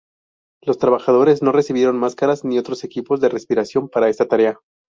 Los trabajadores no recibieron máscaras ni otros equipos de respiración para esta tarea.